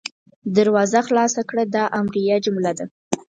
دروازه خلاصه کړه – دا امریه جمله ده.